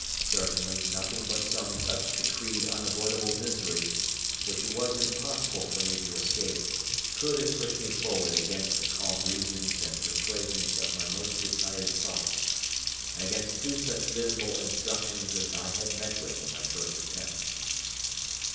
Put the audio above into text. Certainly, nothing but some such decreed unavoidable misery, which it was impossible for me to escape, could have pushed me forward against the calm reasonings and persuasions of my most retired thoughts, and against two such visible instructions as I had met with in my first attempt.